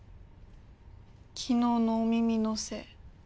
昨日の「お耳」のせい。